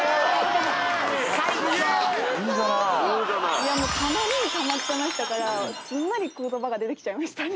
いやもうたまりにたまってましたからすんなり言葉が出てきちゃいましたね